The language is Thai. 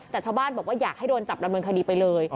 แต่ชาวบ้านบอกว่าอยากให้โดนจับดำเนินคดีไปเลย